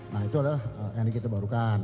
nah itu adalah energi terbarukan